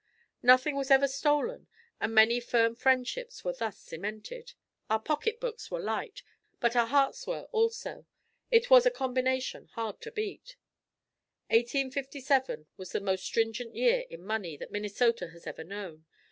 Nothing was ever stolen and many firm friendships were thus cemented. Our pocketbooks were light, but our hearts were also. It was a combination hard to beat. 1857 was the most stringent year in money that Minnesota has ever known.